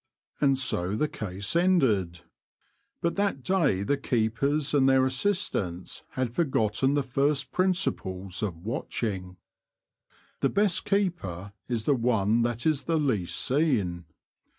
And so the case ended. But that day the keepers and their assistants had forgotten the first principles of watching. The best keeper is the one that is the least seen.